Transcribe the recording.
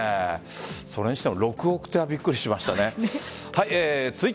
それにしても６億手はびっくりしましたね。